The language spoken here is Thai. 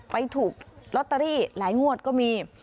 ไปถูกลอตเตอรี่หลายงวดก็มี